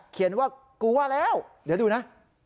เขียนว่ากลัวแล้วเดี๋ยวดูนะ